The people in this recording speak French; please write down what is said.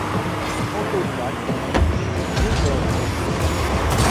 Quant aux femmes, un couplet leur est consacré.